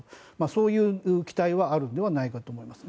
そういう期待はあるのではないかと思います。